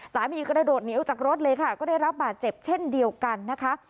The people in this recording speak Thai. กระโดดเหนียวจากรถเลยค่ะก็ได้รับบาดเจ็บเช่นเดียวกันนะคะ